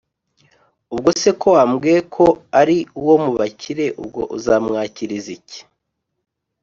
ubwose ko wambwiye ko ari uwo mubakire ubwo uzamwakiriza iki?